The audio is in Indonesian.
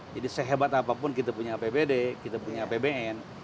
jadi sehebat apapun kita punya apbd kita punya apbn